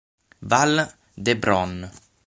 Vall d'Hebron